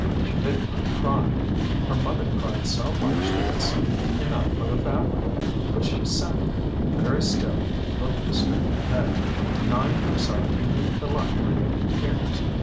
She did not cry, her mother cried so much that it seemed enough for the family, but she sat there very still looking straight ahead denying herself even the luxury of tears.